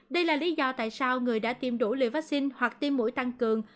đây là lý do tại sao người đã tiêm đủ liều vắc xin hoặc tiêm mũi tăng cường